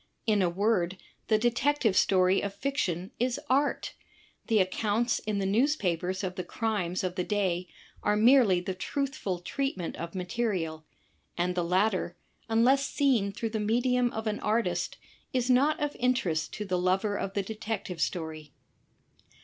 In a word, the Detective Story of fiction is art; the accounts in the newspapers of the crimes of the day are merely the truthful treatment of materia l; and the latter, unless seen through the medium of an artist, is not of interest to the lover of the Detective Story.